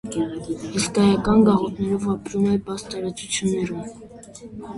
Հսկայական գաղութներով ապրում է բաց տարածություններում։